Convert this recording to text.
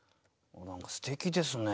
何かすてきですね。